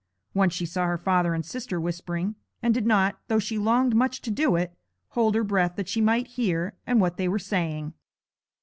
Once she saw her father and sister whispering, and did not, though she longed much to do it, hold her breath that she might hear what they were saying.